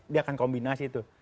dia akan kombinasi itu